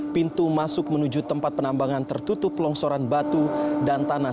pintu masuk menuju tempat penambangan tertutup longsoran batu dan tanah